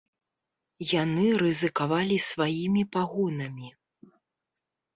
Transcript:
Яны рызыкавалі сваімі пагонамі.